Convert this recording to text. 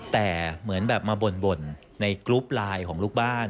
แต่เหมือนแบบมาบ่นในกรุ๊ปไลน์ของลูกบ้าน